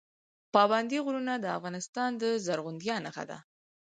پابندی غرونه د افغانستان د زرغونتیا نښه ده.